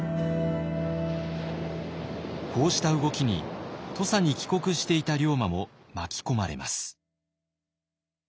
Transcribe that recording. こうした動きに土佐に帰国していた龍馬も巻き込まれます。